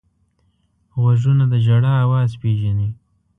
غوږونه د ژړا اواز پېژني